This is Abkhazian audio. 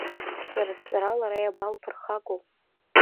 Сара сҵара лара иабалԥырхагоу?